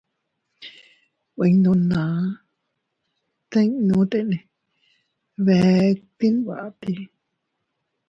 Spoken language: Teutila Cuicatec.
Ikkune naa tinnu, tet bee tinbatii.